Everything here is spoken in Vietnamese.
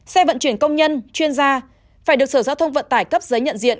xe vận chuyển công nhân chuyên gia phải được sở giao thông vận tải cấp giấy nhận diện